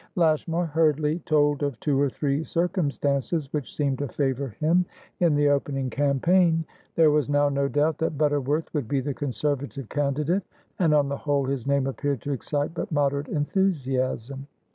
Lashmar hurriedly told of two or three circumstances which seemed to favour him in the opening campaign. There was now no doubt that Butterworth would be the Conservative candidate, and, on the whole, his name appeared to excite but moderate enthusiasm.